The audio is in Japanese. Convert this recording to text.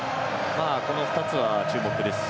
この２つは注目です。